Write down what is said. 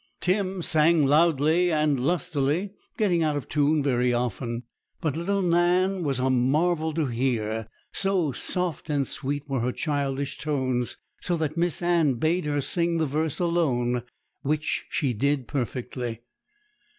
Tim sang loudly and lustily, getting out of tune very often. But little Nan was a marvel to hear, so soft and sweet were her childish tones, so that Miss Anne bade her sing the verse alone, which she did perfectly.